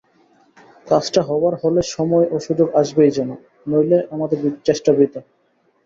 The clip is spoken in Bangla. কাজটা হবার হলে সময় ও সুযোগ আসবেই জেন, নইলে আমাদের চেষ্টা বৃথা।